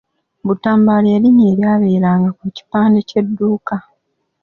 Butambala lye linnya eryabeeranga ku kipande ky'edduuka.